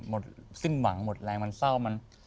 หมดซึ่งหวังหมดแรงมันเศร้ามัน